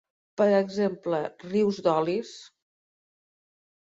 Per exemple, rius d'olis.